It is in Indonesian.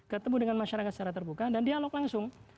ketemu dengan masyarakat secara terbuka dan dialog langsung